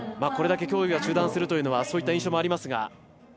これだけ競技が中断するというのはそういった印象もありますが。